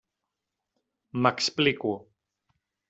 M'explico.